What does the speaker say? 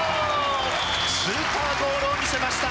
スーパーゴールを見せました高原です！